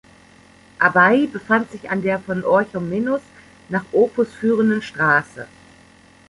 Abai befand sich an der von Orchomenos nach Opus führenden Straße.